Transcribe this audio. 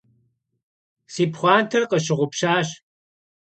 Si pxhuanter khısşığupşaş.